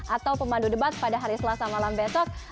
atau pemandu debat pada hari selasa malam besok